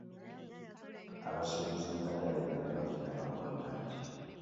Abasubuzi mu katale bangi bafuna amagoba mangi.